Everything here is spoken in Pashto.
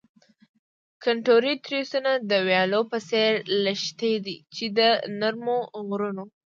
کنتوري تریسونه د ویالو په څیر لښتې دي چې د نرمو غرونو.